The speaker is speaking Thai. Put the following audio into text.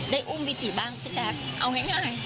ได้อุ้มวิจิบ้างพี่แจ๊กเอาง่าย